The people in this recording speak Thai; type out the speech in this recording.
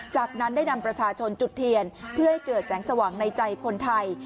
จากนั้นได้นำประชาชนจุดเทียนเพื่อให้เกิดแสงสว่างในใจคนไทย